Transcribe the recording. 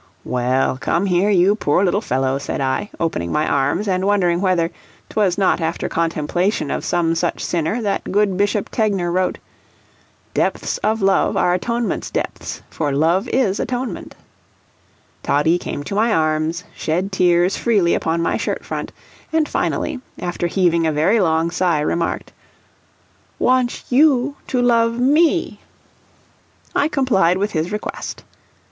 "Well, come here, you poor little fellow," said I, opening my arms, and wondering whether 'twas not after contemplation of some such sinner that good Bishop Tegner wrote: "Depths of love are atonement's depths, for love is atonement" Toddie came to my arms, shed tears freely upon my shirt front, and finally, after heaving a very long sigh, remarked: "Wantsh YOU to love ME" I complied with his request.